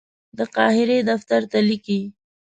د قاهرې دفتر ته لیکي.